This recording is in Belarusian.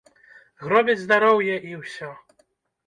Гробяць здароўе і ўсё.